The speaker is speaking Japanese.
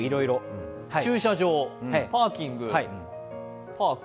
駐車場、パーキング、パーク？